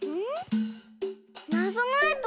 なぞのえと